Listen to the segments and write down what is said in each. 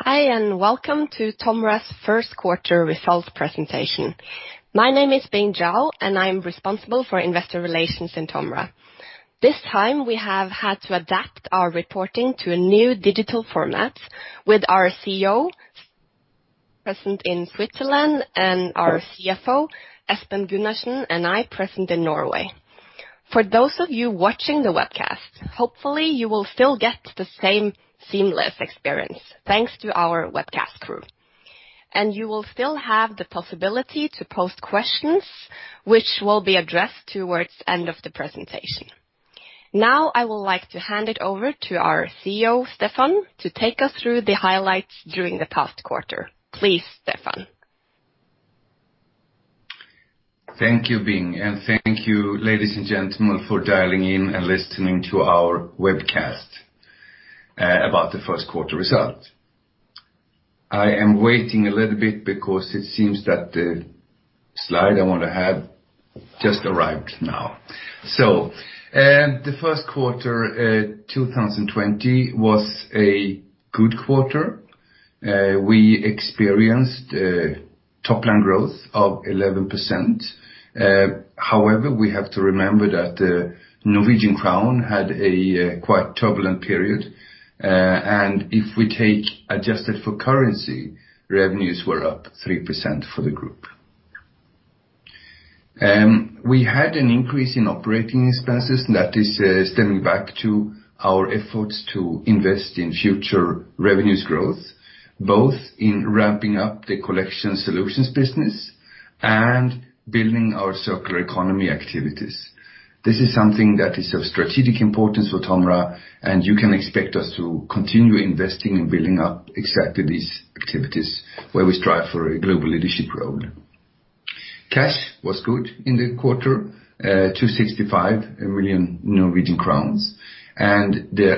Hi, welcome to Tomra's first quarter results presentation. My name is Bing Zhao, and I'm responsible for investor relations in Tomra. This time we have had to adapt our reporting to a new digital format with our CEO present in Switzerland and our CFO, Espen Gundersen, and I present in Norway. For those of you watching the webcast, hopefully you will still get the same seamless experience thanks to our webcast crew. You will still have the possibility to post questions, which will be addressed towards end of the presentation. Now I would like to hand it over to our CEO, Stefan, to take us through the highlights during the past quarter. Please, Stefan. Thank you, Bing, and thank you, ladies and gentlemen, for dialing in and listening to our webcast about the first quarter result. I am waiting a little bit because it seems that the slide I want to have just arrived now. The first quarter 2020 was a good quarter. We experienced top line growth of 11%. However, we have to remember that the Norwegian crown had a quite turbulent period. If we take adjusted for currency, revenues were up 3% for the group. We had an increase in operating expenses that is stemming back to our efforts to invest in future revenues growth, both in ramping up the collection solutions business and building our circular economy activities. This is something that is of strategic importance for Tomra, and you can expect us to continue investing in building up exactly these activities where we strive for a global leadership role. Cash was good in the quarter, 265 million Norwegian crowns, and the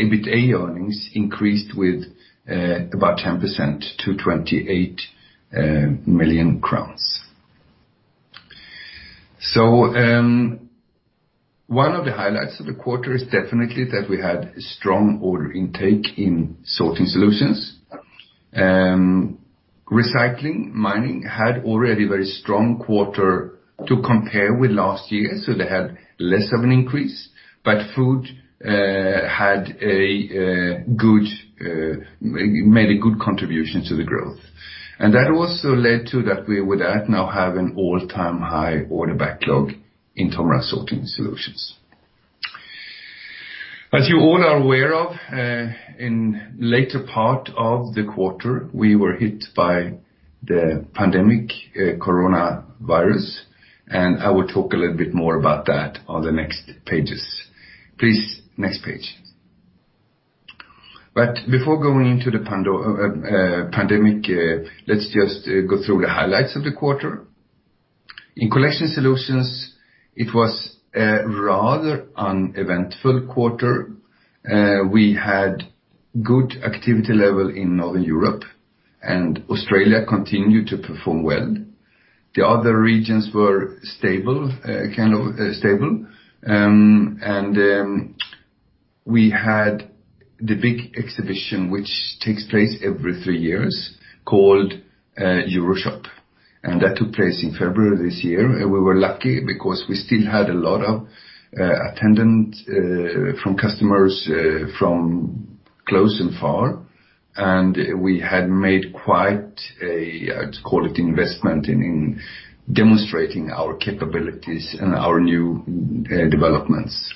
EBITDA earnings increased with about 10% to 288 million crowns. One of the highlights of the quarter is definitely that we had strong order intake in Tomra Sorting Solutions. Recycling and Mining had already a very strong quarter to compare with last year, so they had less of an increase, but Food made a good contribution to the growth. That also led to that we would now have an all-time high order backlog in Tomra Sorting Solutions. As you all are aware of, in later part of the quarter, we were hit by the pandemic coronavirus, and I will talk a little bit more about that on the next pages. Please, next page. Before going into the pandemic, let's just go through the highlights of the quarter. In TOMRA Collection, it was a rather uneventful quarter. We had good activity level in Northern Europe and Australia continued to perform well. The other regions were stable. We had the big exhibition, which takes place every three years called EuroShop, and that took place in February this year. We were lucky because we still had a lot of attendance from customers from close and far. We had made quite a, let's call it investment in demonstrating our capabilities and our new developments.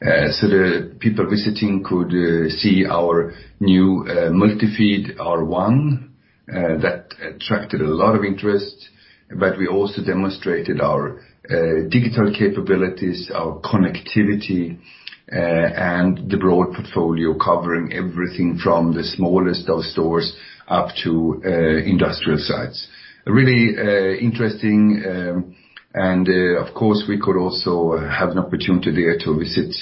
The people visiting could see our new MultiFeed R1, that attracted a lot of interest, but we also demonstrated our digital capabilities, our connectivity, and the broad portfolio covering everything from the smallest of stores up to industrial sites. Really interesting. Of course, we could also have an opportunity to visit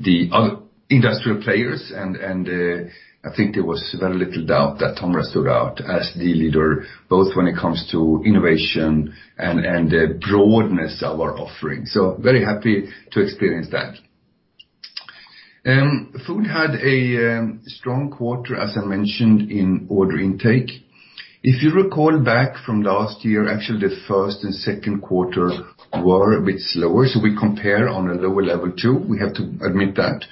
the other industrial players, and I think there was very little doubt that Tomra stood out as the leader, both when it comes to innovation and the broadness of our offering. Very happy to experience that. Food had a strong quarter, as I mentioned in order intake. If you recall back from last year, actually the first and second quarter were a bit slower, so we compare on a lower level too. We have to admit that.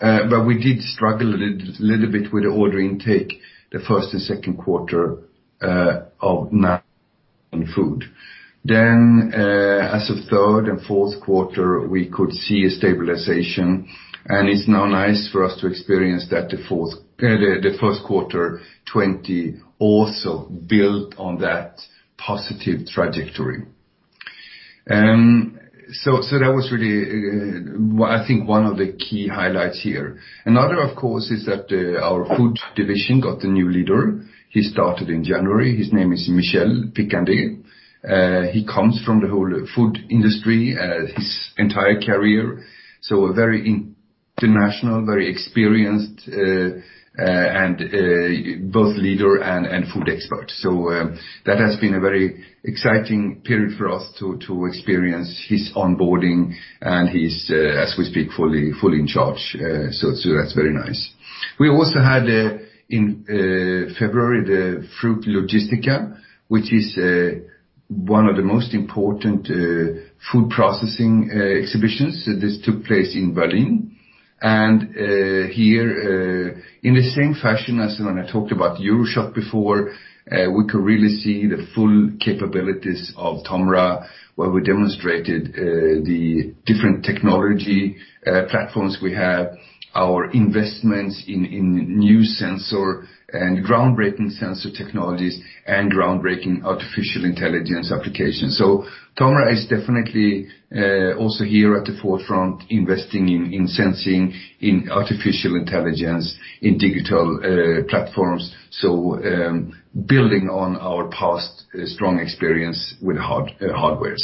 We did struggle a little bit with the order intake the first and second quarter of Food. As of third and fourth quarter, we could see a stabilization, and it's now nice for us to experience that the first quarter 2020 also built on that positive trajectory. That was really, I think, one of the key highlights here. Another, of course, is that our food division got a new leader. He started in January. His name is Michel Picandet. He comes from the whole food industry, his entire career. A very international, very experienced, and both leader and food expert. That has been a very exciting period for us to experience his onboarding and he's, as we speak, fully in charge. That's very nice. We also had, in February, the FRUIT LOGISTICA, which is one of the most important food processing exhibitions. This took place in Berlin. Here, in the same fashion as when I talked about EuroShop before, we could really see the full capabilities of Tomra, where we demonstrated the different technology platforms we have, our investments in new sensor and groundbreaking sensor technologies, and groundbreaking artificial intelligence applications. Tomra is definitely also here at the forefront, investing in sensing, in artificial intelligence, in digital platforms. Building on our past strong experience with hardware.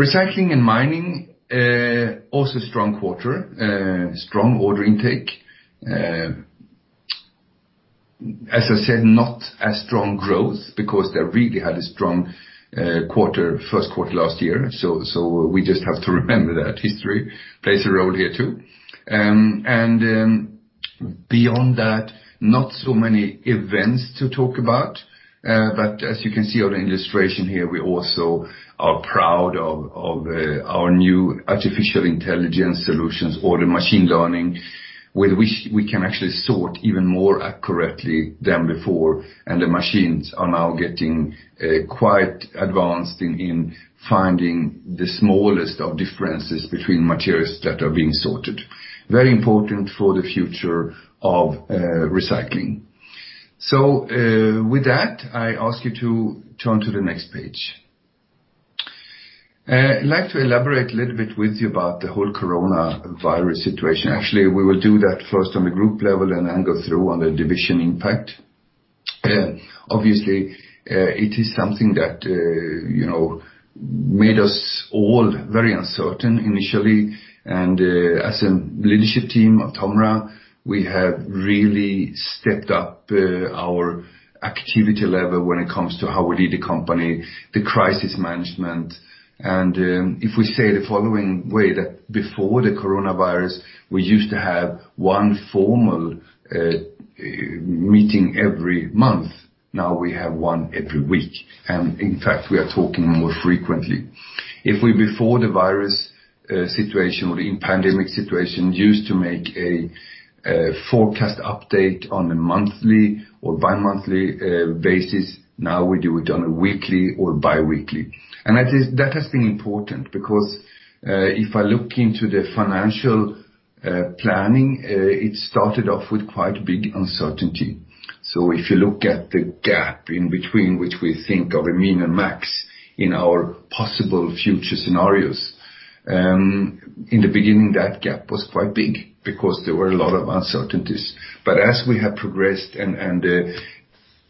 Recycling and Mining, also strong quarter, strong order intake. As I said, not a strong growth because they really had a strong first quarter last year. We just have to remember that history plays a role here too. Beyond that, not so many events to talk about. As you can see on the illustration here, we also are proud of our new artificial intelligence solutions or the machine learning, with which we can actually sort even more accurately than before, and the machines are now getting quite advanced in finding the smallest of differences between materials that are being sorted. Very important for the future of Recycling. With that, I ask you to turn to the next page. I'd like to elaborate a little bit with you about the whole coronavirus situation. We will do that first on the group level and then go through on the division impact. Obviously, it is something that made us all very uncertain initially, and as a leadership team of Tomra, we have really stepped up our activity level when it comes to how we lead the company, the crisis management. If we say the following way, that before the coronavirus, we used to have one formal meeting every month. Now we have one every week. In fact, we are talking more frequently. If we, before the virus situation or the pandemic situation, used to make a forecast update on a monthly or bimonthly basis, now we do it on a weekly or biweekly. That has been important because, if I look into the financial planning, it started off with quite big uncertainty. If you look at the gap in between which we think of a min and max in our possible future scenarios, in the beginning, that gap was quite big because there were a lot of uncertainties. As we have progressed and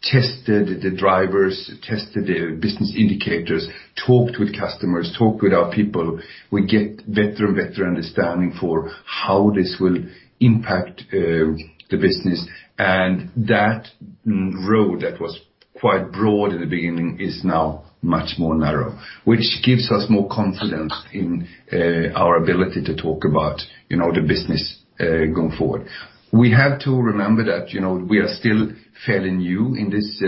tested the drivers, tested the business indicators, talked with customers, talked with our people, we get better and better understanding for how this will impact the business. That road that was quite broad in the beginning is now much more narrow, which gives us more confidence in our ability to talk about the business going forward. We have to remember that we are still fairly new in this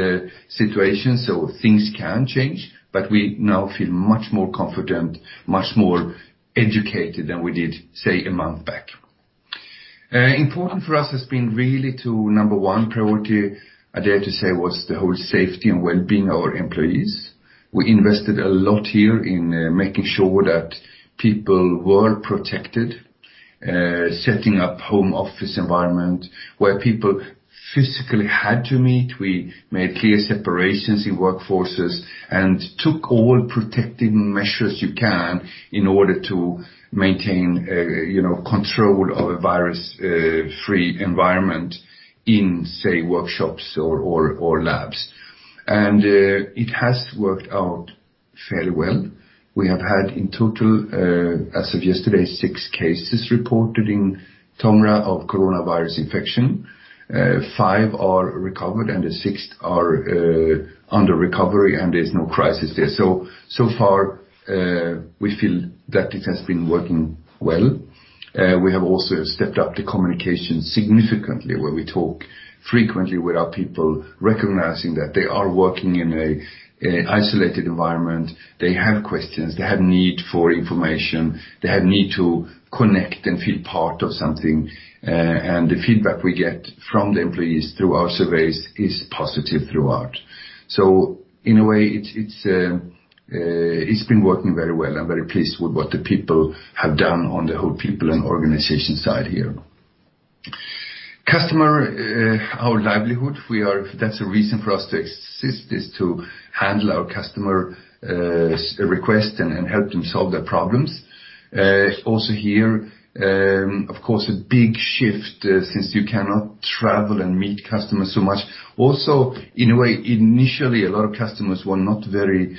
situation, so things can change, but we now feel much more confident, much more educated than we did, say, a month back. Important for us has been really to, number one priority, I dare to say, was the whole safety and well-being of our employees. We invested a lot here in making sure that people were protected, setting up home office environment. Where people physically had to meet, we made clear separations in workforces and took all protective measures you can in order to maintain control of a virus-free environment in, say, workshops or labs. It has worked out fairly well. We have had in total, as of yesterday, six cases reported in Tomra of coronavirus infection. Five are recovered and the sixth are under recovery, and there's no crisis there. So far, we feel that it has been working well. We have also stepped up the communication significantly, where we talk frequently with our people, recognizing that they are working in an isolated environment. They have questions, they have need for information, they have need to connect and feel part of something. The feedback we get from the employees through our surveys is positive throughout. In a way, it's been working very well. I'm very pleased with what the people have done on the whole people and organization side here. Customer, our livelihood, that's a reason for us to exist is to handle our customer requests and help them solve their problems. Here, of course, a big shift, since you cannot travel and meet customers so much. In a way, initially, a lot of customers were not very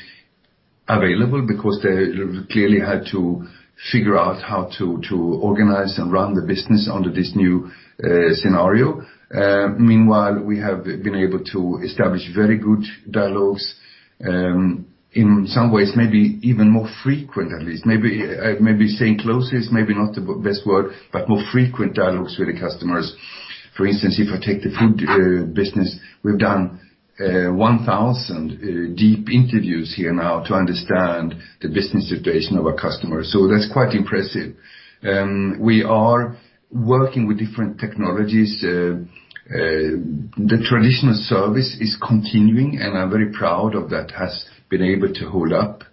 available because they clearly had to figure out how to organize and run the business under this new scenario. Meanwhile, we have been able to establish very good dialogues, in some ways, maybe even more frequent, at least. Maybe saying close is maybe not the best word, but more frequent dialogues with the customers. For instance, if I take the Food business, we've done 1,000 deep interviews here now to understand the business situation of our customers. That's quite impressive. We are working with different technologies. The traditional service is continuing, and I'm very proud of that has been able to hold up.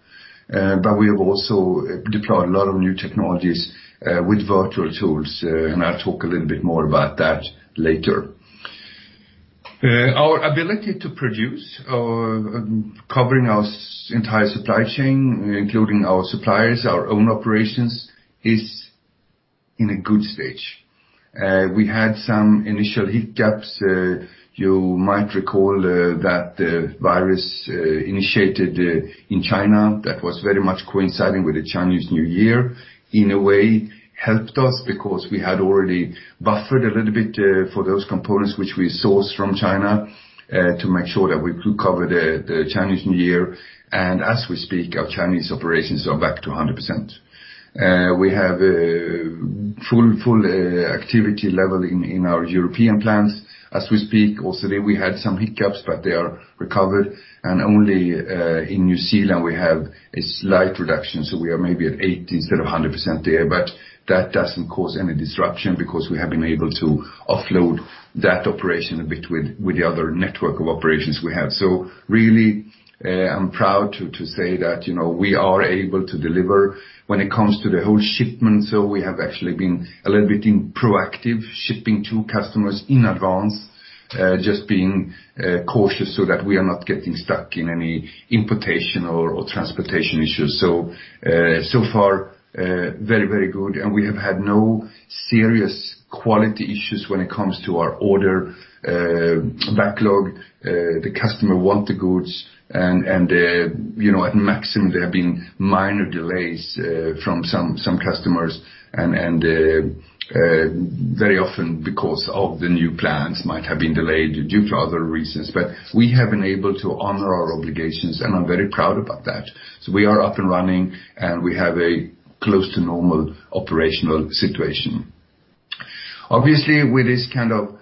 We have also deployed a lot of new technologies with virtual tools, and I'll talk a little bit more about that later. Our ability to produce or covering our entire supply chain, including our suppliers, our own operations, is in a good stage. We had some initial hiccups. You might recall that the virus initiated in China, that was very much coinciding with the Chinese New Year, in a way, helped us because we had already buffered a little bit for those components which we source from China, to make sure that we could cover the Chinese New Year. As we speak, our Chinese operations are back to 100%. We have full activity level in our European plants as we speak. Also there, we had some hiccups, but they are recovered, and only in New Zealand we have a slight reduction, so we are maybe at 80% instead of 100% there. That doesn't cause any disruption because we have been able to offload that operation a bit with the other network of operations we have. Really, I'm proud to say that we are able to deliver when it comes to the whole shipment. We have actually been a little bit proactive, shipping to customers in advance, just being cautious so that we are not getting stuck in any importation or transportation issues. So far, very good, and we have had no serious quality issues when it comes to our order backlog. The customer wants the goods and at maximum, there have been minor delays from some customers and very often because of the new plans might have been delayed due to other reasons. We have been able to honor our obligations, and I'm very proud about that. We are up and running, and we have a close to normal operational situation. Obviously, with this kind of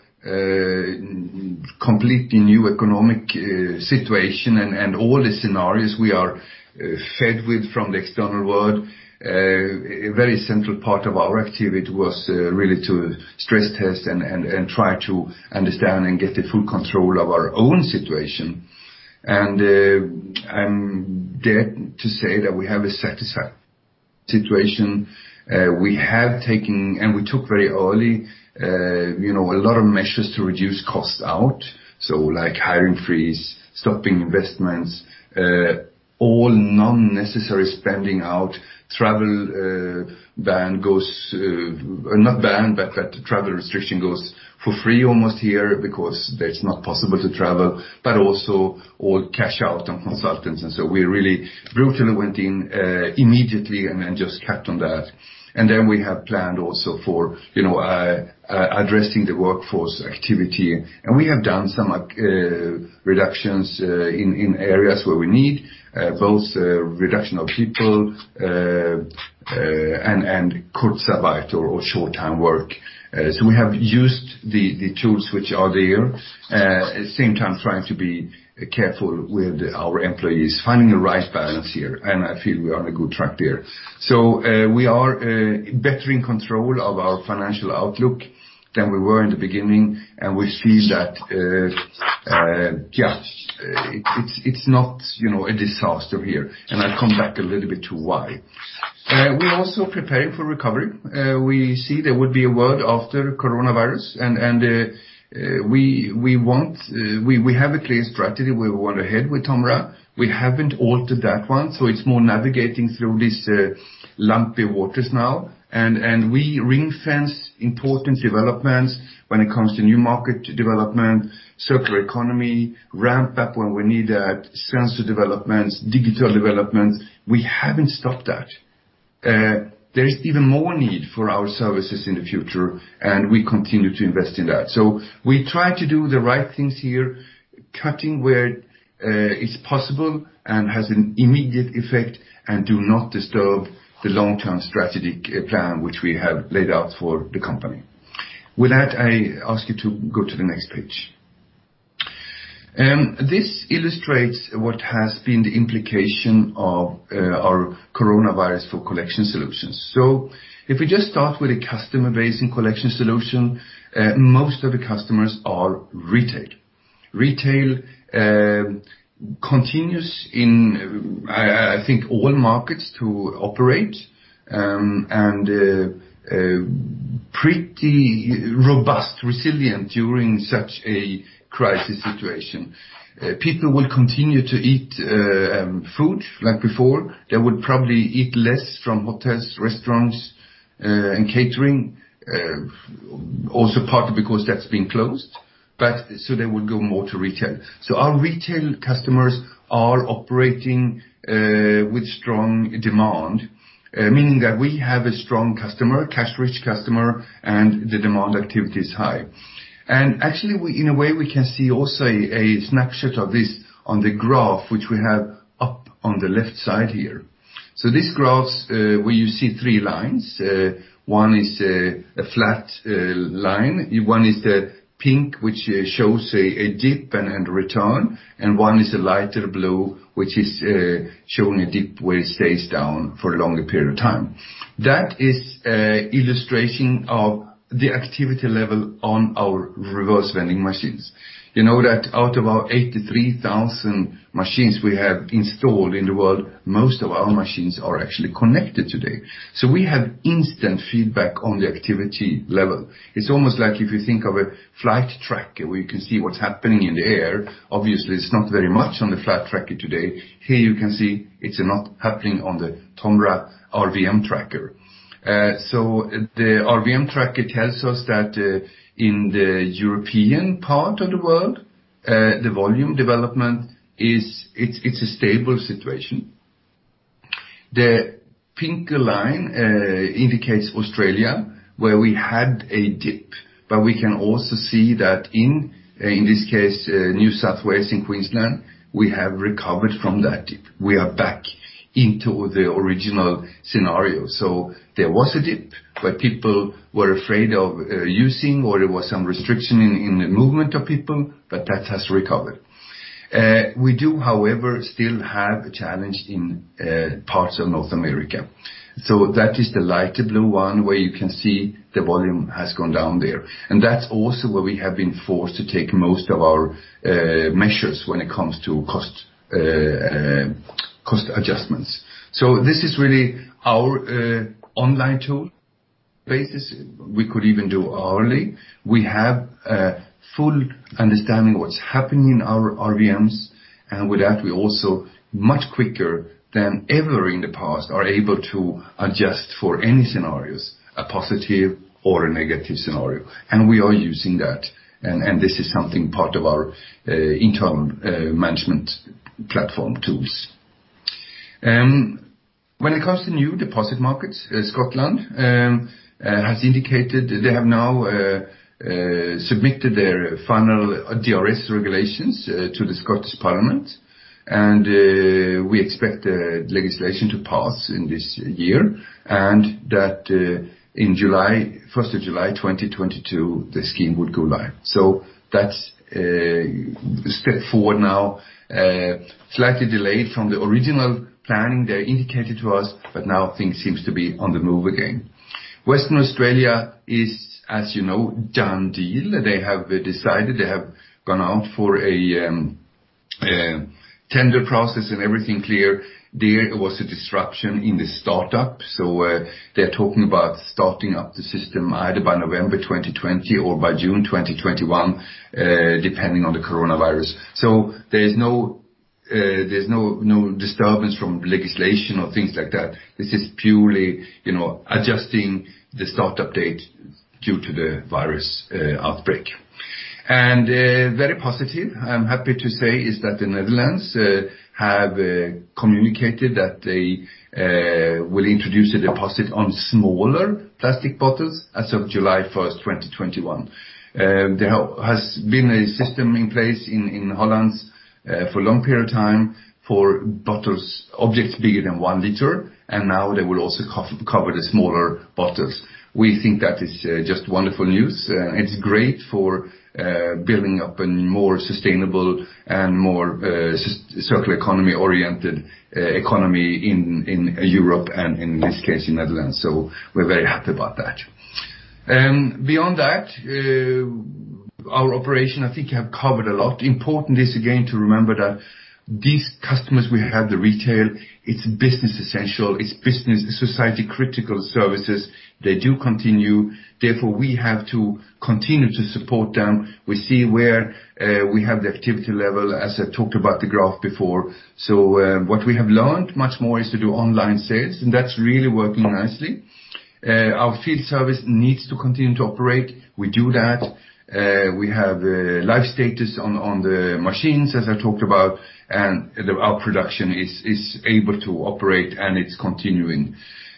completely new economic situation and all the scenarios we are fed with from the external world, a very central part of our activity was really to stress test and try to understand and get the full control of our own situation. I'm dare to say that we have a satisfied situation. We have taken, and we took very early a lot of measures to reduce cost out. Like hiring freeze, stopping investments, all non-necessary spending out, travel ban goes, not ban, but that travel restriction goes for free almost here because that's not possible to travel, but also all cash out on consultants. We really brutally went in immediately and just capped on that. We have planned also for addressing the workforce activity. We have done some reductions in areas where we need, both reduction of people and Kurzarbeit or short time work. We have used the tools which are there, same time trying to be careful with our employees, finding the right balance here, and I feel we are on a good track there. We are better in control of our financial outlook than we were in the beginning, and we feel that, just, it's not a disaster here. I'll come back a little bit to why. We're also preparing for recovery. We see there would be a world after coronavirus, and we have a clear strategy we want to head with Tomra. We haven't altered that one, so it's more navigating through these lumpy waters now, and we ring-fence important developments when it comes to new market development, circular economy, ramp up when we need that, sensor developments, digital developments. We haven't stopped that. There is even more need for our services in the future, and we continue to invest in that. We try to do the right things here, cutting where it's possible and has an immediate effect, and do not disturb the long-term strategic plan which we have laid out for the company. With that, I ask you to go to the next page. This illustrates what has been the implication of our coronavirus for TOMRA Collection. If we just start with a customer base in Collection Solution, most of the customers are retail. Retail continues in, I think, all markets to operate, and pretty robust, resilient during such a crisis situation. People will continue to eat food like before. They would probably eat less from hotels, restaurants, and catering, also partly because that's been closed. They would go more to retail. Our retail customers are operating with strong demand, meaning that we have a strong customer, cash-rich customer, and the demand activity is high. Actually, in a way, we can see also a snapshot of this on the graph which we have up on the left side here. This graph, where you see three lines, one is a flat line, one is the pink, which shows a dip and return, and one is a lighter blue, which is showing a dip where it stays down for a longer period of time. That is an illustration of the activity level on our reverse vending machines. You know that out of our 83,000 machines we have installed in the world, most of our machines are actually connected today. We have instant feedback on the activity level. It's almost like if you think of a flight tracker, where you can see what's happening in the air. Obviously, it's not very much on the flight tracker today. Here you can see it's not happening on the Tomra RVM tracker. The RVM tracker tells us that in the European part of the world, the volume development, it's a stable situation. The pink line indicates Australia, where we had a dip. We can also see that in this case, New South Wales and Queensland, we have recovered from that dip. We are back into the original scenario. There was a dip, where people were afraid of using, or there was some restriction in the movement of people, but that has recovered. We do, however, still have a challenge in parts of North America. That is the lighter blue one, where you can see the volume has gone down there. That's also where we have been forced to take most of our measures when it comes to cost adjustments. This is really our online tool basis. We could even do hourly. We have a full understanding of what's happening in our RVMs, with that, we also much quicker than ever in the past are able to adjust for any scenarios, a positive or a negative scenario. We are using that, and this is something part of our internal management platform tools. When it comes to new deposit markets, Scotland has indicated they have now submitted their final DRS regulations to the Scottish Parliament, we expect the legislation to pass in this year, that in 1st of July 2022, the scheme would go live. That's a step forward now. Slightly delayed from the original planning they indicated to us, now things seems to be on the move again. Western Australia is, as you know, done deal. They have decided, they have gone out for a tender process and everything clear. There was a disruption in the startup. They're talking about starting up the system either by November 2020 or by June 2021, depending on the coronavirus. There's no disturbance from legislation or things like that. This is purely adjusting the startup date due to the virus outbreak. Very positive, I'm happy to say, is that the Netherlands have communicated that they will introduce a deposit on smaller plastic bottles as of July 1st, 2021. There has been a system in place in Holland for a long period of time for objects bigger than one liter, and now they will also cover the smaller bottles. We think that is just wonderful news. It's great for building up a more sustainable and more circular economy-oriented economy in Europe and in this case, in Netherlands. We're very happy about that. Beyond that, our operation, I think I have covered a lot. Important is, again, to remember that these customers we have, the retail, it's business-essential. It's business-society critical services. They do continue. We have to continue to support them. We see where we have the activity level, as I talked about the graph before. What we have learned much more is to do online sales, and that's really working nicely. Our field service needs to continue to operate. We do that. We have live status on the machines, as I talked about, and our production is able to operate and it's continuing.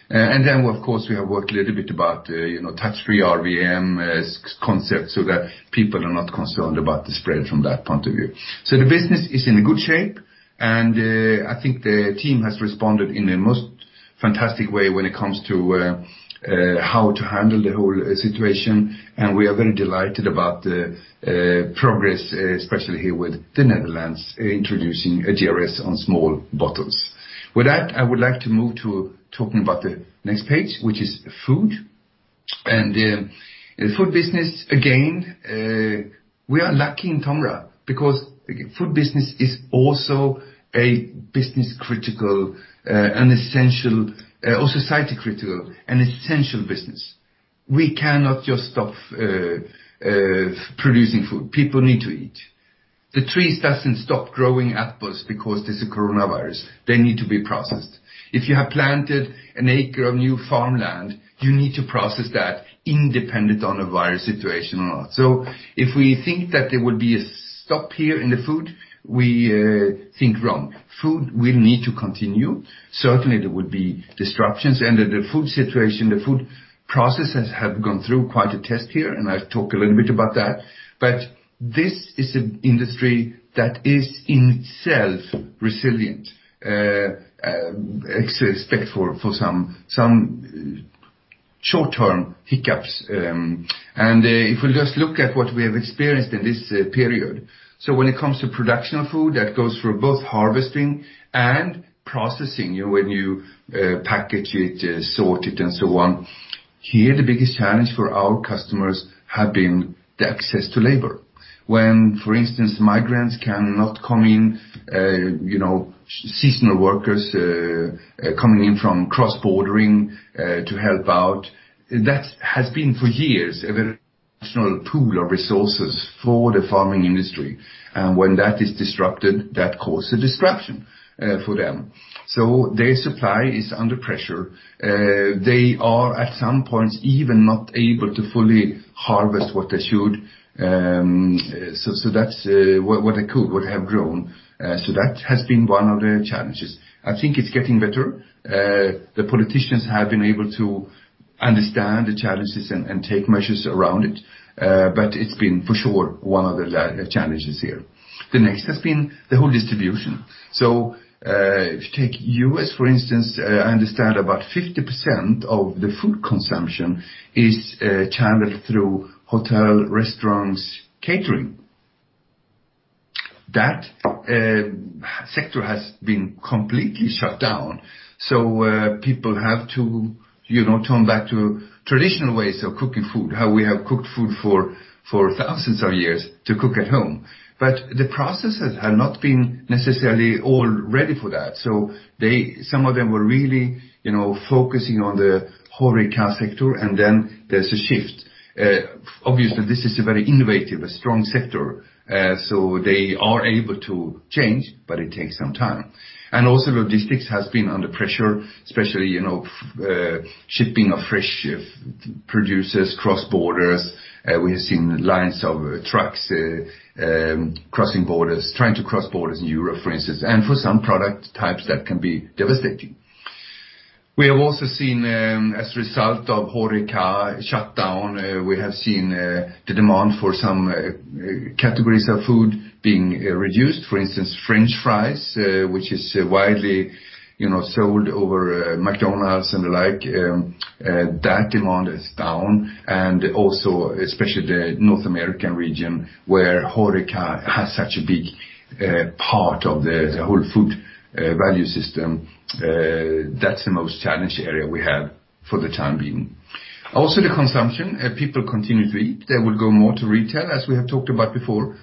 Of course, we have worked a little bit about touch-free RVM concept so that people are not concerned about the spread from that point of view. The business is in a good shape, and I think the team has responded in a most fantastic way when it comes to how to handle the whole situation. We are very delighted about the progress, especially here with the Netherlands introducing a DRS on small bottles. With that, I would like to move to talking about the next page, which is food. Food business, again, we are lucky in Tomra because food business is also a business critical and essential or society critical and essential business. We cannot just stop producing food. People need to eat. The trees doesn't stop growing apples because there's a coronavirus. They need to be processed. If you have planted an acre of new farmland, you need to process that independent on the virus situation or not. If we think that there will be a stop here in the food, we think wrong. Food will need to continue. Certainly, there will be disruptions, and the food situation, the food processes have gone through quite a test here, and I'll talk a little bit about that. This is an industry that is in itself resilient, except for some short-term hiccups. If we just look at what we have experienced in this period, so when it comes to production of food, that goes for both harvesting and processing, when you package it, sort it, and so on. Here, the biggest challenge for our customers have been the access to labor. When, for instance, migrants cannot come in, seasonal workers coming in from cross-bordering to help out, that has been for years a very national pool of resources for the farming industry. When that is disrupted, that cause a disruption for them. Their supply is under pressure. They are at some points even not able to fully harvest what they should. That's what they could, what they have grown. That has been one of the challenges. I think it's getting better. The politicians have been able to understand the challenges and take measures around it. It's been, for sure, one of the challenges here. The next has been the whole distribution. If you take U.S., for instance, I understand about 50% of the food consumption is channeled through hotel, restaurants, catering. That sector has been completely shut down. People have to turn back to traditional ways of cooking food, how we have cooked food for thousands of years, to cook at home. The processes have not been necessarily all ready for that. Some of them were really focusing on the HORECA sector, and then there's a shift. Obviously, this is a very innovative, a strong sector. They are able to change, but it takes some time. Also logistics has been under pressure, especially shipping of fresh produce cross borders. We have seen lines of trucks crossing borders, trying to cross borders in Europe, for instance. For some product types, that can be devastating. We have also seen, as a result of HORECA shutdown, we have seen the demand for some categories of food being reduced. For instance, french fries, which is widely sold over McDonald's and the like, that demand is down, and also especially the North American region, where HORECA has such a big part of the whole food value system. That's the most challenged area we have for the time being. Also the consumption. People continue to eat. They will go more to retail, as we have talked about before.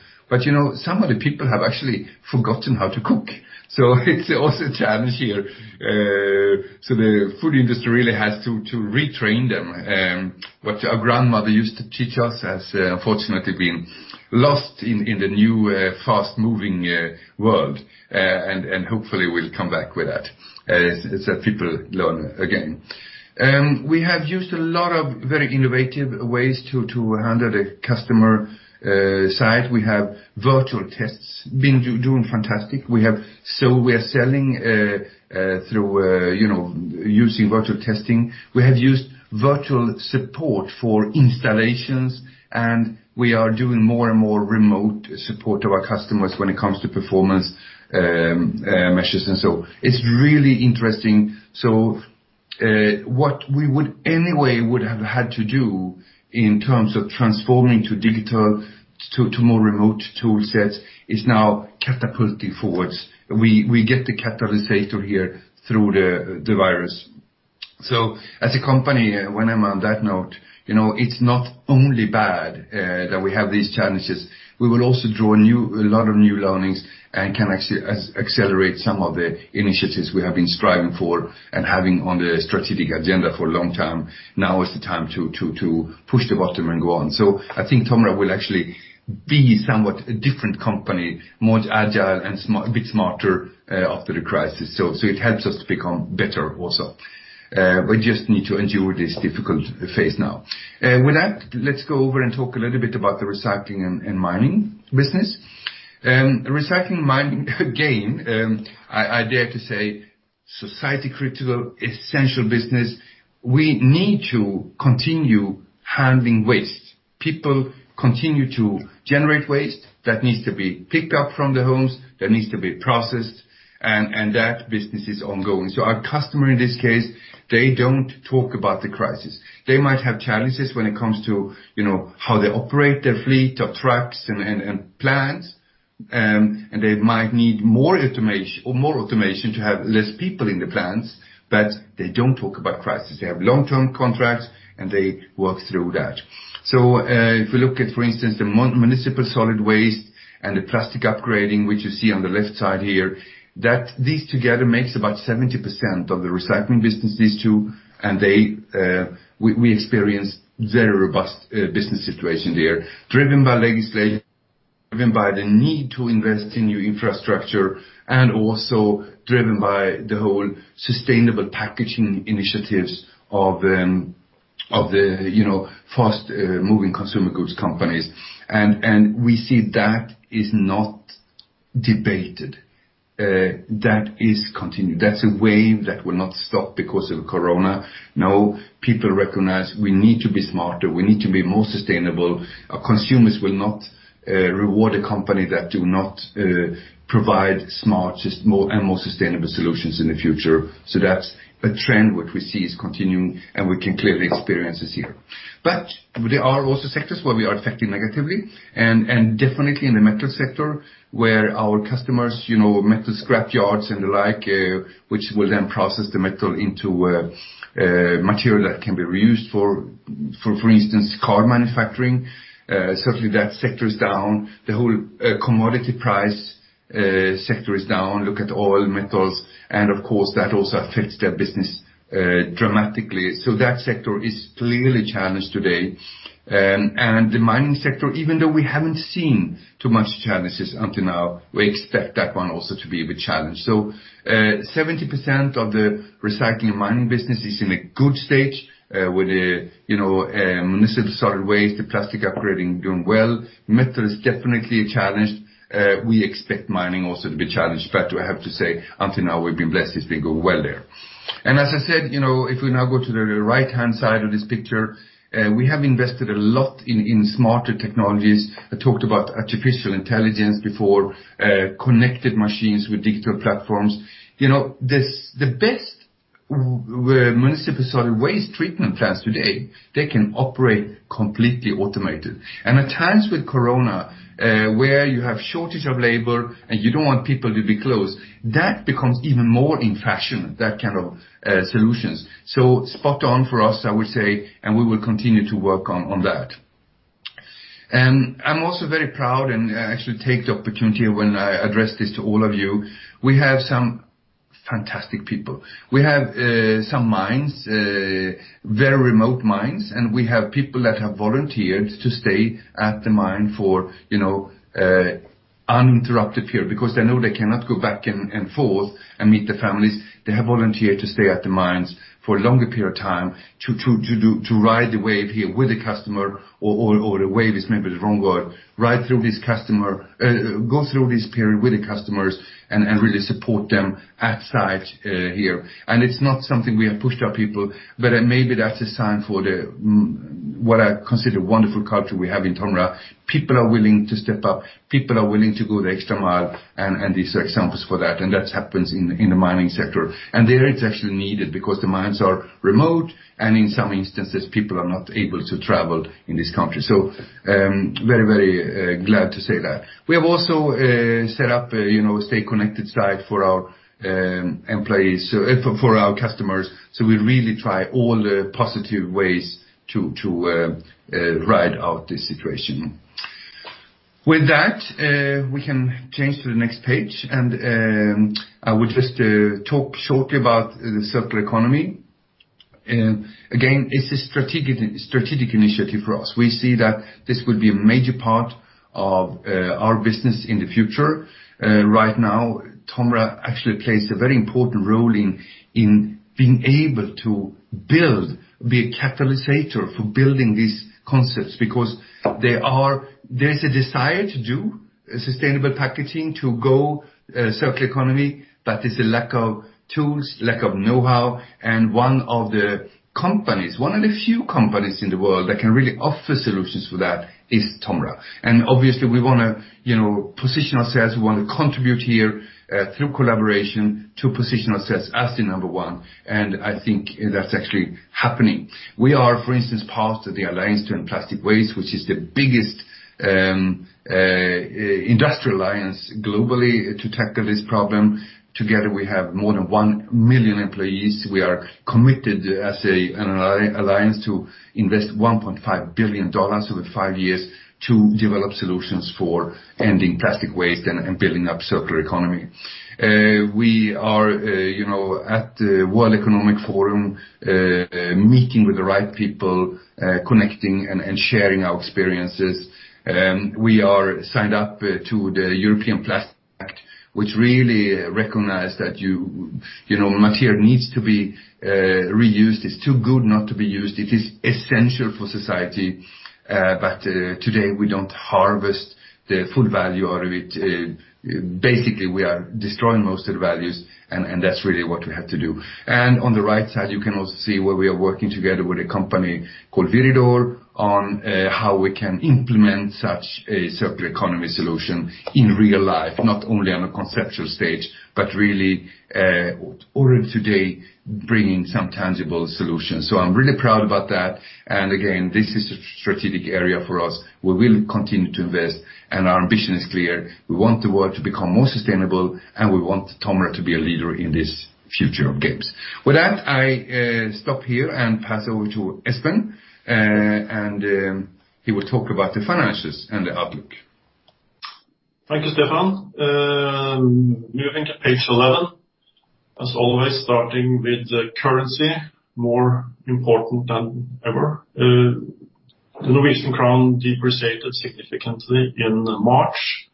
Some of the people have actually forgotten how to cook. It's also a challenge here. The food industry really has to retrain them. What our grandmother used to teach us has unfortunately been lost in the new fast-moving world, and hopefully we'll come back with that, as people learn again. We have used a lot of very innovative ways to handle the customer side. We have virtual tests been doing fantastic. We are selling through using virtual testing. We have used virtual support for installations, and we are doing more and more remote support of our customers when it comes to performance measures and so on. It's really interesting. What we would anyway would have had to do in terms of transforming to digital, to more remote tool sets, is now catapulting forwards. We get the catalysator here through the virus. As a company, when I'm on that note, it's not only bad that we have these challenges. We will also draw a lot of new learnings and can actually accelerate some of the initiatives we have been striving for and having on the strategic agenda for a long time. Now is the time to push the button and go on. I think Tomra will actually be somewhat a different company, more agile and a bit smarter after the crisis. It helps us become better also. We just need to endure this difficult phase now. With that, let's go over and talk a little bit about the Recycling and Mining business. Recycling and Mining, again, I dare to say, society critical, essential business. We need to continue handling waste. People continue to generate waste that needs to be picked up from the homes, that needs to be processed, and that business is ongoing. Our customer, in this case, they don't talk about the crisis. They might have challenges when it comes to how they operate their fleet of trucks and plants, and they might need more automation to have less people in the plants, but they don't talk about crisis. They have long-term contracts, and they work through that. If we look at, for instance, the municipal solid waste and the plastic upgrading, which you see on the left side here, these together makes about 70% of the Recycling business, these two. We experience very robust business situation there, driven by legislation. Driven by the need to invest in new infrastructure and also driven by the whole sustainable packaging initiatives of the fast-moving consumer goods companies. We see that is not debated. That is continued. That's a wave that will not stop because of corona. Now people recognize we need to be smarter, we need to be more sustainable. Our consumers will not reward a company that do not provide smart and more sustainable solutions in the future. That's a trend which we see is continuing. We can clearly experience this here. There are also sectors where we are affecting negatively, and definitely in the metal sector where our customers, metal scrap yards and the like, which will then process the metal into material that can be reused for instance, car manufacturing. Certainly, that sector is down. The whole commodity price sector is down. Look at oil, metals, and of course, that also affects their business dramatically. That sector is clearly challenged today. The mining sector, even though we haven't seen too much challenges until now, we expect that one also to be a bit challenged. 70% of the Recycling and Mining business is in a good stage with the municipal solid waste, the plastic upgrading doing well. Metal is definitely a challenge. We expect mining also to be a challenge, but I have to say, until now, we've been blessed. It's been going well there. As I said, if we now go to the right-hand side of this picture, we have invested a lot in smarter technologies. I talked about artificial intelligence before, connected machines with digital platforms. The best municipal solid waste treatment plants today, they can operate completely automated. At times with corona, where you have shortage of labor and you don't want people to be close, that becomes even more in fashion, that kind of solutions. Spot on for us, I would say, and we will continue to work on that. I'm also very proud and actually take the opportunity when I address this to all of you, we have some fantastic people. We have some mines, very remote mines, and we have people that have volunteered to stay at the mine for uninterrupted period, because they know they cannot go back and forth and meet their families. They have volunteered to stay at the mines for a longer period of time to ride the wave here with the customer, or the wave is maybe the wrong word, go through this period with the customers and really support them at site here. It's not something we have pushed our people, but maybe that's a sign for the, what I consider, wonderful culture we have in Tomra. People are willing to step up. People are willing to go the extra mile, and these are examples for that, and that happens in the mining sector. There it's actually needed because the mines are remote, and in some instances, people are not able to travel in this country. Very glad to say that. We have also set up a stay connected site for our customers. We really try all the positive ways to ride out this situation. With that, we can change to the next page. I will just talk shortly about the circular economy. Again, it's a strategic initiative for us. We see that this will be a major part of our business in the future. Right now, Tomra actually plays a very important role in being able to build, be a catalyst for building these concepts because there's a desire to do sustainable packaging, to go circular economy, but there's a lack of tools, lack of know-how, and one of the few companies in the world that can really offer solutions for that is Tomra. Obviously, we want to position ourselves, we want to contribute here, through collaboration to position ourselves as the number one, and I think that's actually happening. We are, for instance, part of the Alliance to End Plastic Waste, which is the biggest industrial alliance globally to tackle this problem. Together, we have more than 1 million employees. We are committed as an alliance to invest $1.5 billion over five years to develop solutions for ending plastic waste and building up circular economy. We are at the World Economic Forum, meeting with the right people, connecting and sharing our experiences. We are signed up to the European Plastics Pact, which really recognize that material needs to be reused. It's too good not to be used. It is essential for society, but today, we don't harvest the full value out of it. Basically, we are destroying most of the values, and that's really what we have to do. On the right side, you can also see where we are working together with a company called Viridor on how we can implement such a circular economy solution in real life, not only on a conceptual stage, but really already today bringing some tangible solutions. I'm really proud about that. Again, this is a strategic area for us. We will continue to invest, and our ambition is clear. We want the world to become more sustainable, and we want Tomra to be a leader in this future games. With that, I stop here and pass over to Espen. He will talk about the finances and the outlook. Thank you, Stefan. Moving to page 11. As always, starting with the currency, more important than ever. NOK depreciated significantly in March,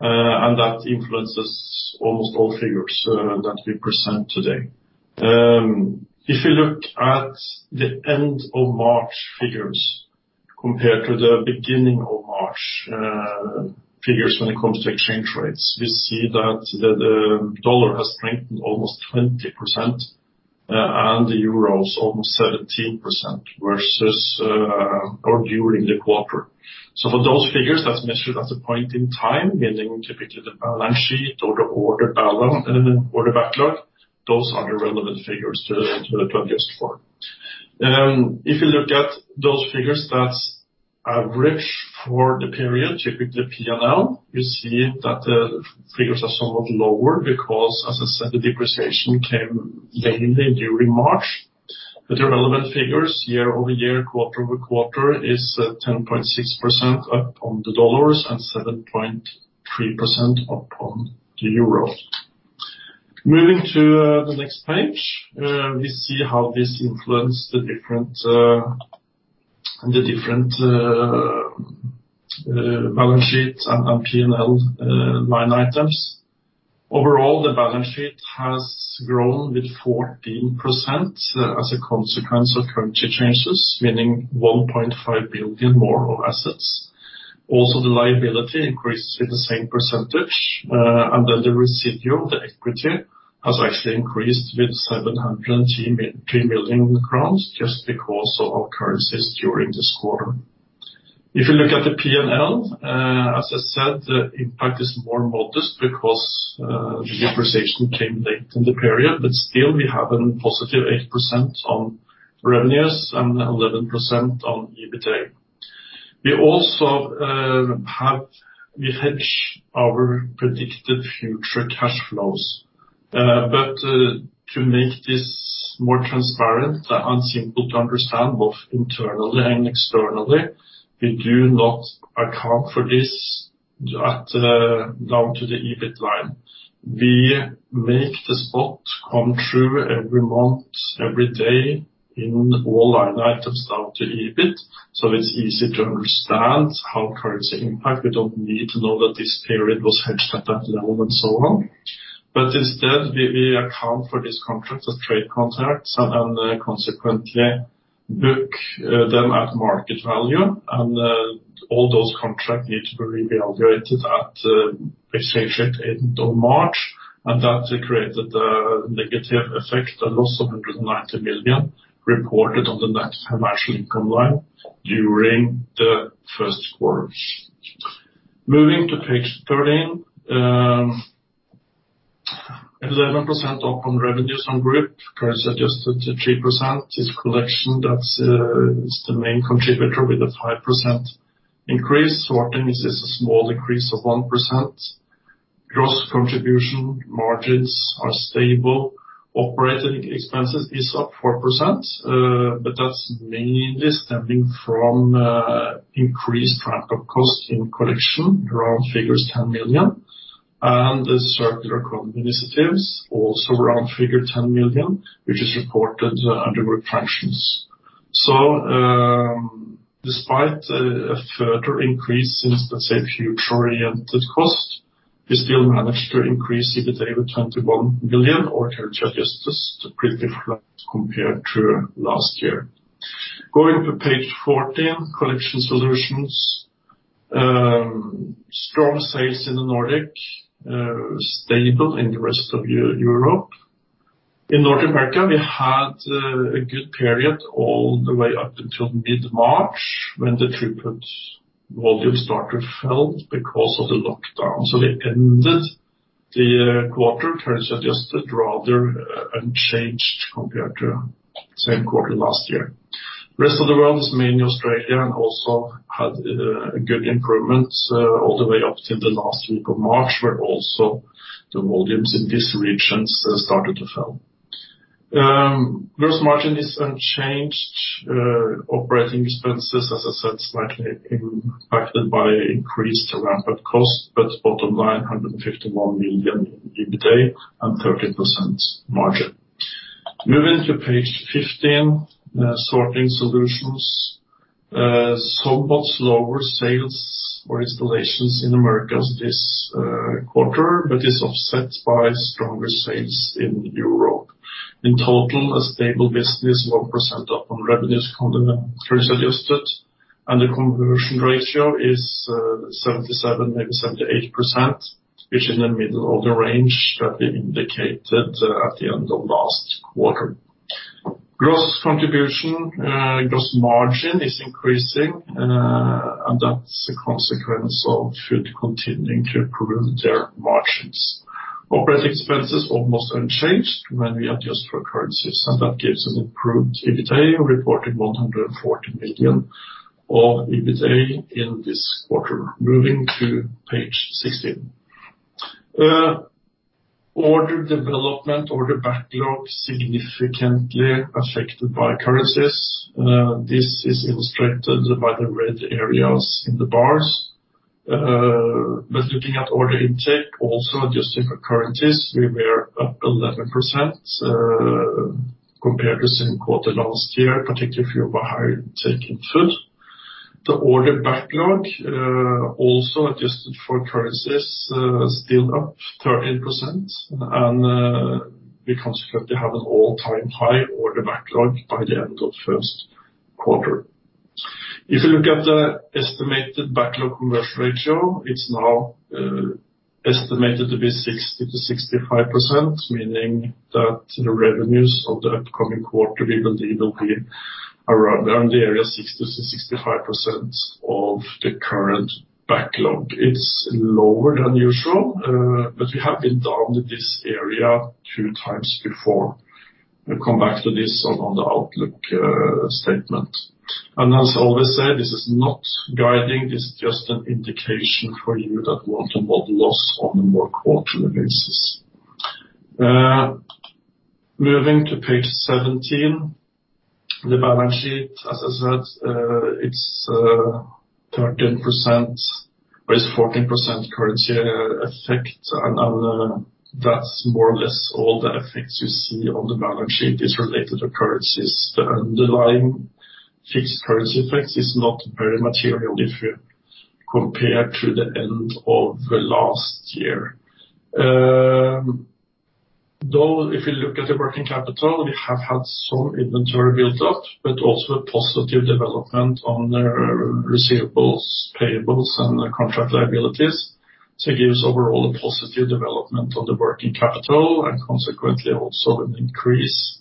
that influences almost all figures that we present today. If you look at the end of March figures compared to the beginning of March figures when it comes to exchange rates. We see that the USD has strengthened almost 20%, the EUR is almost 17% versus, or during the quarter. For those figures, that's measured at a point in time, meaning typically the balance sheet or the order backlog, those are the relevant figures to look at this for. If you look at those figures, that's average for the period, typically P&L, you see that the figures are somewhat lower because as I said, the depreciation came mainly during March. The relevant figures year-over-year, quarter-over-quarter is 10.6% up on the USD and 7.3% up on the EUR. Moving to the next page. We see how this influenced the different balance sheets and P&L line items. Overall, the balance sheet has grown with 14% as a consequence of currency changes, meaning 1.5 billion more of assets. Also, the liability increases with the same percentage, and then the residual, the equity, has actually increased with 703 million crowns just because of currencies during this quarter. If you look at the P&L, as I said, the impact is more modest because the depreciation came late in the period, but still we have a positive 8% on revenues and 11% on EBITA. We hedge our predicted future cash flows. To make this more transparent and simple to understand both internally and externally, we do not account for this down to the EBIT line. We make the spot come through every month, every day in all line items down to EBIT, so it's easy to understand how currency impact. We don't need to know that this period was hedged at that level and so on. Instead, we account for these contracts as trade contracts and consequently book them at market value, and all those contract needs to be reevaluated at exchange rate end of March, and that created a negative effect, a loss of 190 million reported on the net financial income line during the first quarter. Moving to page 13. 11% up on revenues on group, currency adjusted to 3% is collection. That's the main contributor with a 5% increase. Sorting is a small decrease of 1%. Gross contribution margins are stable. Operating expenses is up 4%, but that's mainly stemming from increased ramp-up costs in TOMRA Collection around figures 10 million and the circular economy initiatives also around figure 10 million, which is reported under Group Functions. Despite a further increase in, let's say, future-oriented cost, we still managed to increase EBITA with 207 billion or currency adjusted pretty flat compared to last year. Going to page 14, TOMRA Collection. Strong sales in the Nordic, stable in the rest of Europe. In North America, we had a good period all the way up until mid-March when the throughput volume started to fall because of the lockdown. We ended the quarter currency adjusted rather unchanged compared to same quarter last year. Rest of the world is mainly Australia and also had a good improvement all the way up to the last week of March, where also the volumes in these regions started to fall. Gross margin is unchanged. Operating expenses, as I said, slightly impacted by increased ramp-up costs, but bottom line, 151 million in EBITA and 30% margin. Moving to page 15, Sorting Solutions. Somewhat slower sales or installations in Americas this quarter, but is offset by stronger sales in Europe. In total, a stable business, 1% up on revenues currency adjusted, and the conversion ratio is 77%, maybe 78%, which is in the middle of the range that we indicated at the end of last quarter. Gross margin is increasing, and that's a consequence of Tomra Food continuing to improve their margins. Operating expenses almost unchanged when we adjust for currencies. That gives an improved EBITA of reported 114 million of EBITA in this quarter. Moving to page 16. Order development, order backlog significantly affected by currencies. This is illustrated by the red areas in the bars. Looking at order intake also adjusted for currencies, we were up 11% compared to same quarter last year, particularly if you have a higher take in Tomra Food. The order backlog, also adjusted for currencies, still up 13% and we consequently have an all-time high order backlog by the end of first quarter. If you look at the estimated backlog conversion ratio, it's now estimated to be 60%-65%, meaning that the revenues of the upcoming quarter will indeed be around the area 60%-65% of the current backlog. It's lower than usual, but we have been down this area two times before. We'll come back to this on the outlook statement. As I always say, this is not guiding, this is just an indication for you that want to model us on a more quarterly basis. Moving to page 17, the balance sheet. As I said, it's 13% It's 14% currency effect, that's more or less all the effects you see on the balance sheet is related to currencies. The underlying fixed currency effects is not very material if you compare to the end of the last year. If you look at the working capital, we have had some inventory built up, but also a positive development on the receivables, payables and the contract liabilities. It gives overall a positive development of the working capital and consequently also an increase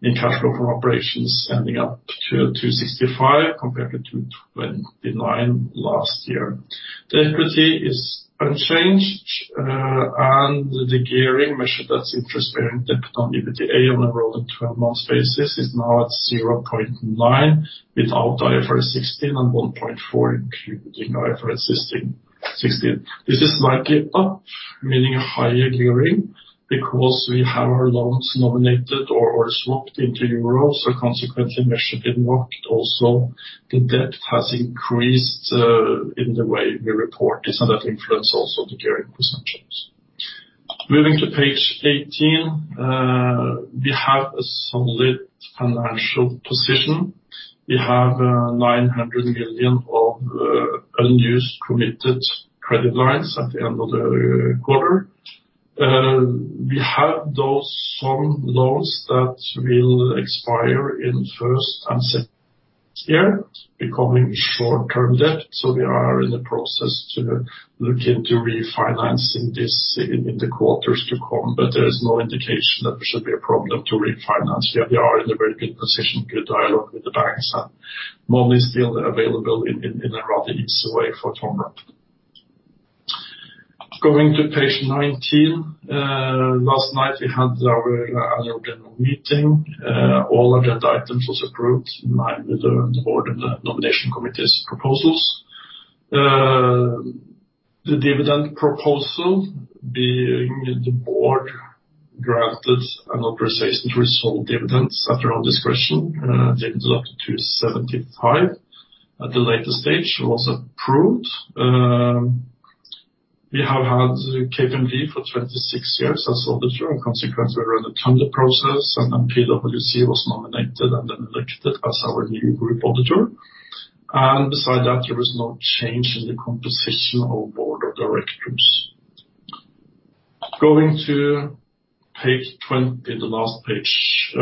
in cash flow from operations ending up to 265 compared to 229 last year. The equity is unchanged, the gearing measure, that's interest bearing debt on EBITDA on a rolling 12 months basis is now at 0.9 without IFRS 16 and 1.4 including IFRS 16. This is slightly up, meaning a higher gearing because we have our loans nominated or swapped into EUR. Consequently measured in NOK also the debt has increased, in the way we report this and that influence also the gearing percentages. Moving to page 18. We have a solid financial position. We have 900 million of unused committed credit lines at the end of the quarter. We have some loans that will expire in first and second year becoming short-term debt. We are in the process to look into refinancing this in the quarters to come. There's no indication that there should be a problem to refinance. We are in a very good position, good dialogue with the banks and money still available in a rather easy way for Tomra. Going to page 19. Last night we had our annual general meeting. All agenda items was approved in line with the board and the nomination committee's proposals. The dividend proposal being the board granted an authorization to resolve dividends after our discretion, dividend up to 75 at the later stage was approved. We have had KPMG for 26 years as auditor and consequently we run a tender process and then PwC was nominated and then elected as our new group auditor. Beside that there was no change in the composition of board of directors. Going to page 20, the last page.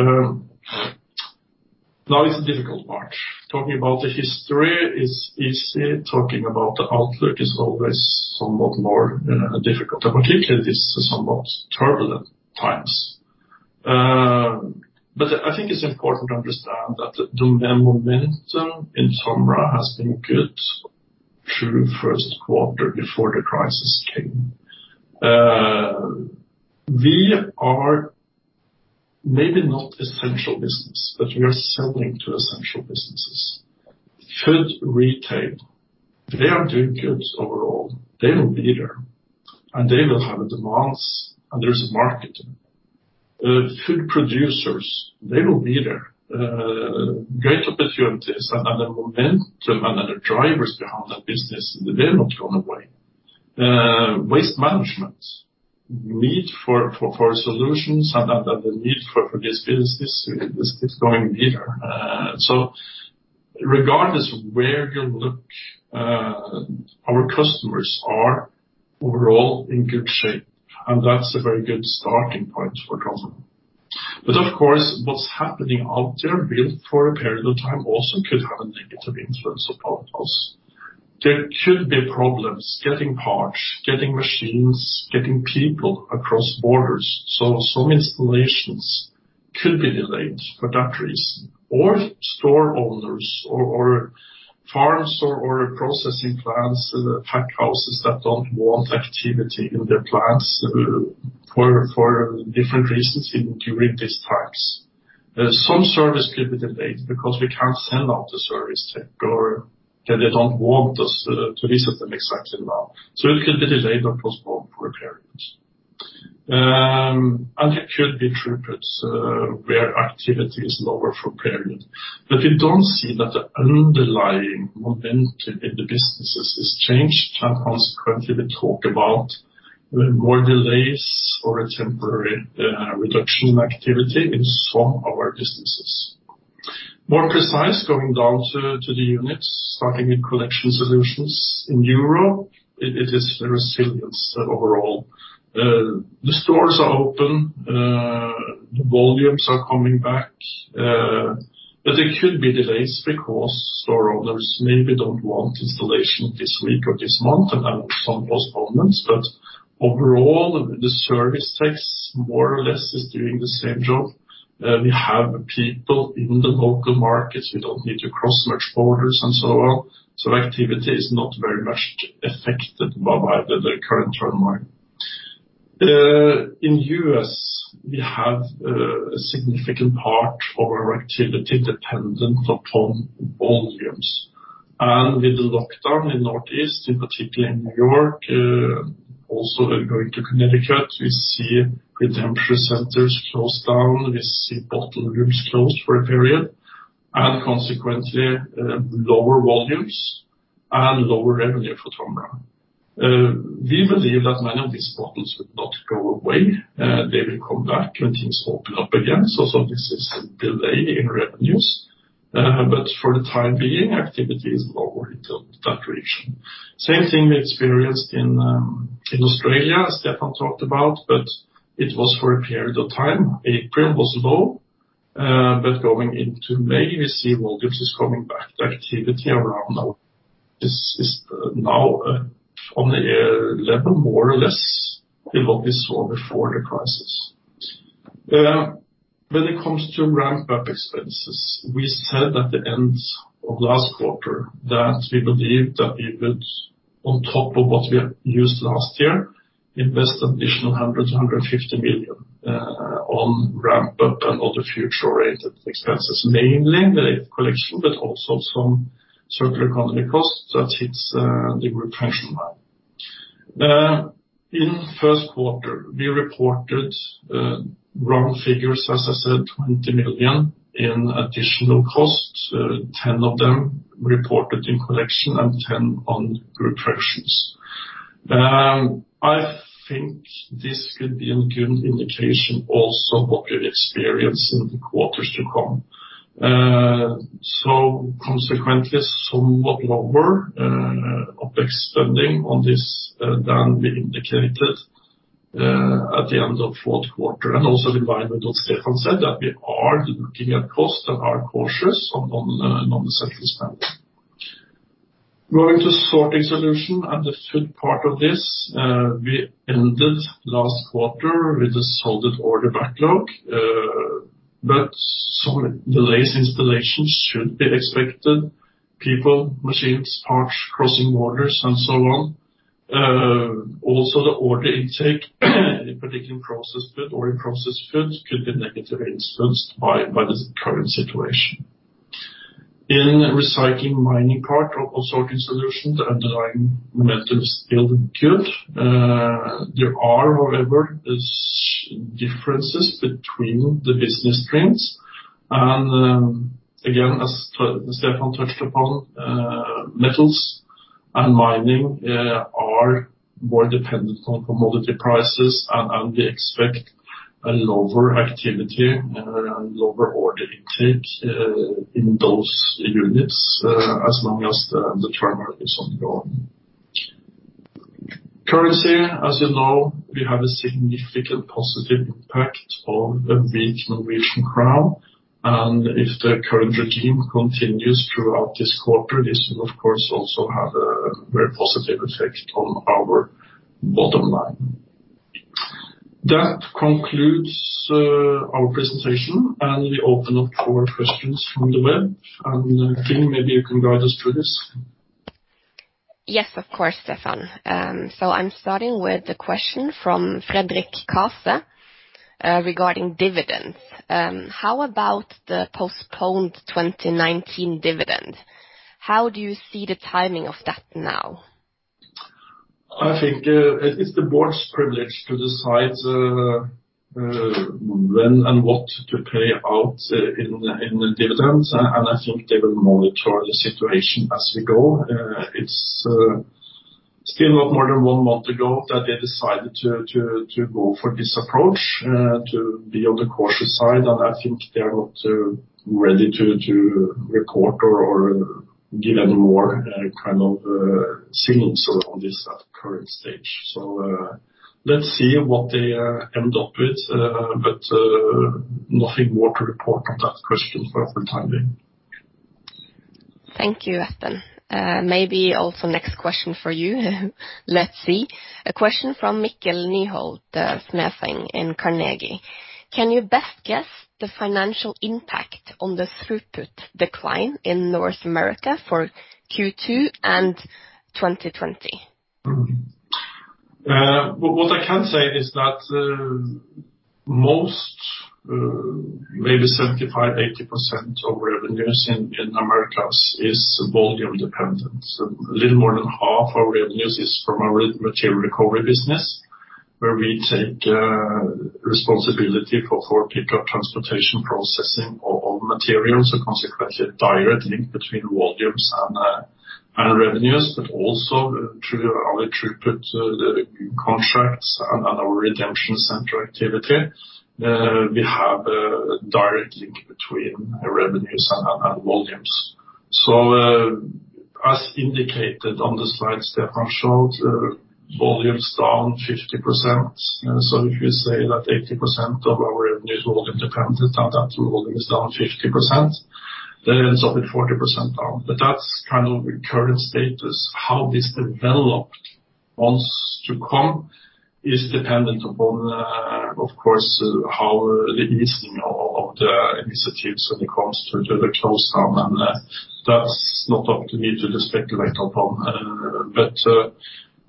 Now is the difficult part. Talking about the history is easy. Talking about the outlook is always somewhat more difficult and particularly this is somewhat turbulent times. I think it's important to understand that the momentum in Tomra has been good through first quarter before the crisis came. We are maybe not essential business, but we are selling to essential businesses. Food retail, they are doing good overall. They will be there and they will have a demands and there's a market. Food producers, they will be there. Great opportunities and the momentum and the drivers behind that business, they're not going away. Waste management need for solutions and the need for these businesses is going to be there. Regardless where you look, our customers are overall in good shape and that's a very good starting point for Tomra. Of course, what's happening out there will for a period of time also could have a negative influence upon us. There could be problems getting parts, getting machines, getting people across borders. Some installations could be delayed for that reason or store owners or farms or processing plants, pack houses that don't want activity in their plants for different reasons during these times. Some service could be delayed because we can't send out the service tech or they don't want us to visit them exactly now. It could be delayed or postponed for a period. It could be true that where activity is lower for a period, but we don't see that the underlying momentum in the businesses has changed. Consequently, we talk about more delays or a temporary reduction in activity in some of our businesses. More precise, going down to the units, starting with collection solutions in Euro, it is resilience overall. The stores are open, the volumes are coming back, but there could be delays because store owners maybe don't want installation this week or this month and have some postponements. Overall, the service techs more or less is doing the same job. We have people in the local markets who don't need to cross much borders, and so on. Activity is not very much affected by the current trend line. In U.S., we have a significant part of our activity dependent upon volumes. With the lockdown in Northeast, in particular in New York, also going to Connecticut, we see redemption centers close down. We see bottle rooms closed for a period, and consequently, lower volumes and lower revenue for Tomra. We believe that many of these bottles will not go away. They will come back when things open up again. This is a delay in revenues. For the time being, activity is lower in that region. Same thing we experienced in Australia, as Stefan talked about, but it was for a period of time. April was low, but going into May, we see volumes is coming back to activity around now is now on the level more or less what we saw before the crisis. When it comes to ramp-up expenses, we said at the end of last quarter that we believe that we would, on top of what we had used last year, invest additional 100 million to 150 million on ramp-up and other future-related expenses, mainly the late collection but also some circular economy costs that hits the group pension fund. In the first quarter, we reported round figures, as I said, 20 million in additional costs, 10 of them reported in collection and 10 on group pensions. I think this could be a good indication also what we'll experience in the quarters to come. Consequently, somewhat lower OpEx spending on this than we indicated at the end of fourth quarter, and also in line with what Stefan said, that we are looking at cost and are cautious on non-essential spend. Going to Sorting Solutions and the third part of this, we ended last quarter with a solid order backlog, but some delays in installation should be expected. People, machines, parts crossing borders, and so on. The order intake in particular in processed foods could be negatively influenced by the current situation. In Recycling and Mining part of Sorting Solutions, the underlying momentum is still good. There are, however, differences between the business streams. Again, as Stefan touched upon, metals and mining are more dependent on commodity prices, and we expect a lower activity and a lower order intake in those units as long as the trend market is ongoing. Currency, as you know, we have a significant positive impact on the weak Norwegian crown. If the current regime continues throughout this quarter, this will, of course, also have a very positive effect on our bottom line. That concludes our presentation, and we open up for questions from the web. Kym, maybe you can guide us through this. Yes, of course, Stefan. I'm starting with a question from Frederick Case regarding dividends. How about the postponed 2019 dividend? How do you see the timing of that now? I think it's the board's privilege to decide when and what to pay out in dividends. I think they will monitor the situation as we go. It's still not more than one month ago that they decided to go for this approach to be on the cautious side. I think they are not ready to record or give any more kind of signals around this at the current stage. Let's see what they end up with but nothing more to report on that question for the time being. Thank you, Stefan. Maybe also next question for you. Let's see. A question from Mikkel Nyholt-Smedseng in Carnegie. Can you best guess the financial impact on the throughput decline in North America for Q2 and 2020? What I can say is that most, maybe 75%, 80% of revenues in Americas is volume dependent. A little more than half our revenues is from our material recovery business, where we take responsibility for pickup, transportation, processing of materials, and consequently a direct link between volumes and revenues, but also through our throughput contracts and our redemption center activity. We have a direct link between revenues and volumes. As indicated on the slides Stefan showed, volumes down 50%. If you say that 80% of our revenues are volume dependent and that volume is down 50%, then it's only 40% down. That's kind of the current status. How this developed months to come is dependent upon, of course, how the easing of the initiatives when it comes to the close down, and that's not up to me to speculate upon. We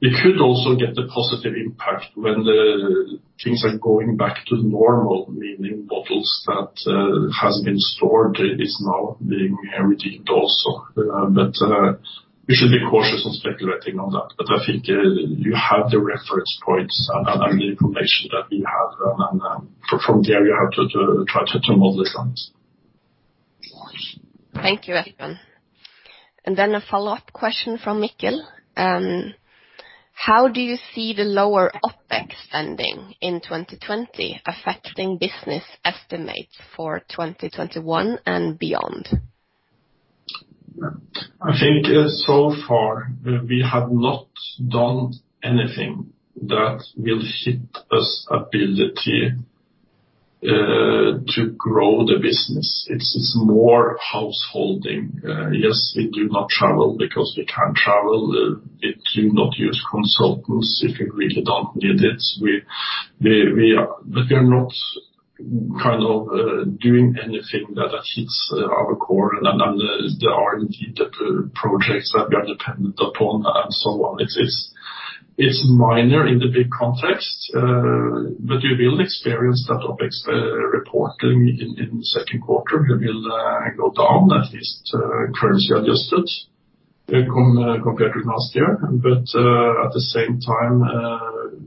could also get a positive impact when the things are going back to normal, meaning bottles that has been stored is now being redeemed also. We should be cautious on speculating on that, but I think you have the reference points and the information that we have, and from there you have to try to model this out. Thank you, Espen. A follow-up question from Mikkel. How do you see the lower OpEx ending in 2020 affecting business estimates for 2021 and beyond? I think so far we have not done anything that will hit our ability to grow the business. It's more householding. Yes, we do not travel because we can't travel. You do not use consultants if you really don't need it. We are not doing anything that hits our core. There are indeed projects that we are dependent upon and so on. It's minor in the big context, but you will experience that OpEx reporting in second quarter. It will go down at least currency adjusted compared with last year. At the same time,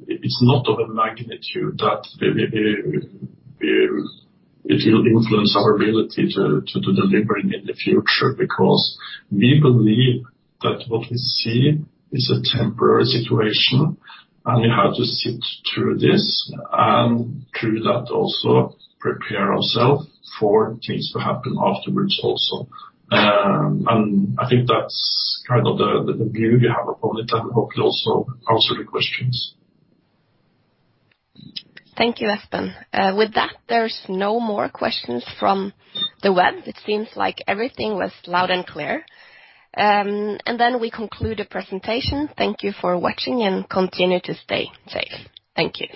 it's not of a magnitude that it will influence our ability to deliver in the future, because we believe that what we see is a temporary situation, and we have to sit through this and through that also prepare ourselves for things to happen afterwards also. I think that's kind of the view we have upon it and hopefully also answer the questions. Thank you, Espen. With that, there's no more questions from the web. It seems like everything was loud and clear. We conclude the presentation. Thank you for watching and continue to stay safe. Thank you.